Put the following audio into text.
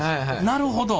なるほど。